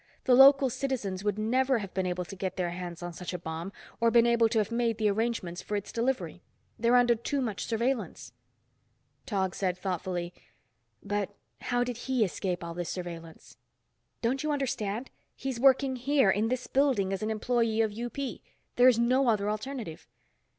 The local citizens would never have been able to get their hands on such a bomb, or been able to have made the arrangements for its delivery. They're under too much surveillance." Tog said thoughtfully, "but how did he escape all this surveillance?" "Don't you understand? He's working here, in this building, as an employee of UP. There is no other alternative."